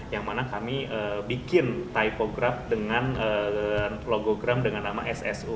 yang mana kami bikin taipograf dengan logogram dengan nama ssu